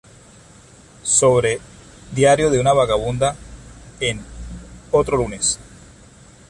Sobre "Diario de una vagabunda"", en "Otro lunes.